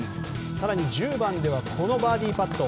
更に１０番ではこのバーディーパット。